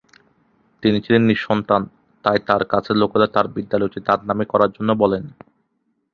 তিনি ছিলেন নিঃসন্তান তাই তার কাছের লোকেরা তাকে বিদ্যালয়টি তার নামে করার জন্য বলেন।